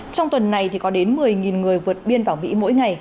trong tuần này thì có đến một mươi người vượt biên vào mỹ mỗi ngày